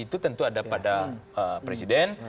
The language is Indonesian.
itu tentu ada pada presiden